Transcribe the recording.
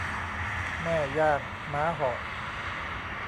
แม่ย่างม้าเหาะ